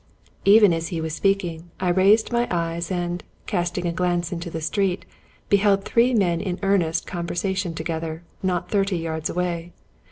Even as he was speaking, I raised my eyes, and, casting a glance into the street, beheld three men in earnest con versation together, and not thirty yards away.